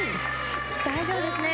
大丈夫ですね。